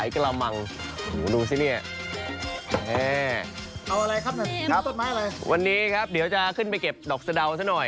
ดอกอะไรครับจะขึ้นไปเก็บดอกสะดาว